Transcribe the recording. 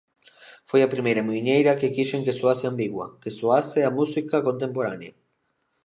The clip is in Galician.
Foi a primeira muiñeira que quixen que soase ambigua, que soase a música contemporánea.